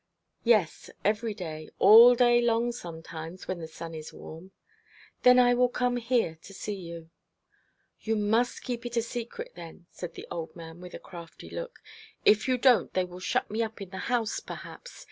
'Yes, every day all day long sometimes when the sun is warm.' 'Then I will come here to see you.' 'You must keep it a secret, then,' said the old man, with a crafty look. 'If you don't they will shut me up in the house, perhaps.